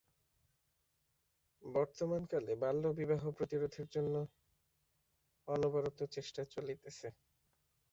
বর্তমানকালে বাল্যবিবাহ প্রতিরোধের জন্য অনবরত চেষ্টা চলিতেছে।